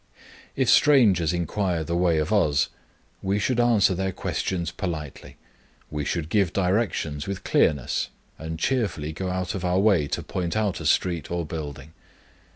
If strangers inquire the way of us, we should answer their questions politely. We should give directions with clearness, and cheerfully go out of our way to point out a street or building.